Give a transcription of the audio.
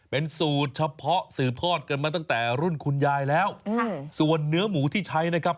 เป็นสูตรเฉพาะสืบทอดกันมาตั้งแต่รุ่นคุณยายแล้วส่วนเนื้อหมูที่ใช้นะครับ